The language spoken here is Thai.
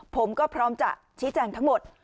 ผมก็พร้อมจะชี้แจงทั้งหมด